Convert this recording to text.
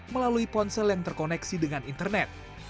melalui ponsel yang terkoneksi dengan internet